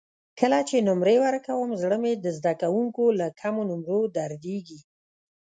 کله چې نمرې ورکوم زړه مې د زده کوونکو له کمو نمرو دردېږي.